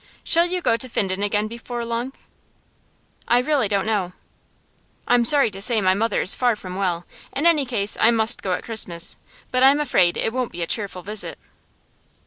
Shall you go to Finden again before long?' 'I really don't know.' 'I'm sorry to say my mother is far from well. In any case I must go at Christmas, but I'm afraid it won't be a cheerful visit.